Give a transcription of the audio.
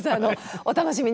お楽しみに。